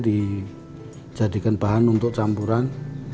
dijadikan bahan untuk campuran